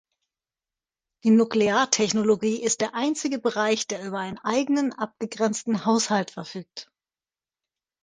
Die Nukleartechnologie ist der einzige Bereich, der über einen eigenen abgegrenzten Haushalt verfügt.